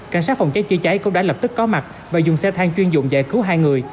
cảnh sát phòng cháy chữa cháy cũng đã lập tức có mặt và dùng xe thang chuyên dụng giải cứu hai người